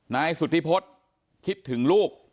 นายสุธิพฤษคิดถึงลูก